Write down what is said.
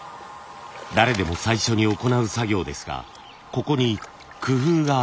誰でも最初に行う作業ですがここに工夫がありました。